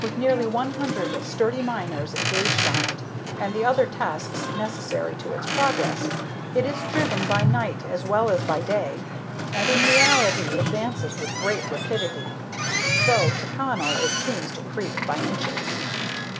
With nearly one hundred sturdy miners engaged on it, and the other tasks necessary to its progress, it is driven by night as well as by day, and in reality advances with great rapidity, though to Connell it seems to creep by inches.